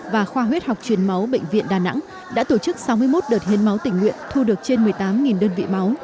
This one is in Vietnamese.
và khoa huyết học truyền máu bệnh viện đà nẵng đã tổ chức sáu mươi một đợt hiến máu tỉnh nguyện thu được trên một mươi tám đơn vị máu